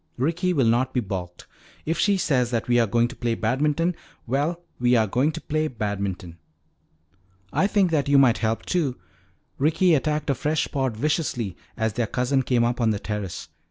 Ricky will not be balked. If she says that we are going to play badminton well, we are going to play badminton." "I think that you might help too." Ricky attacked a fresh pod viciously as their cousin came up on the terrace.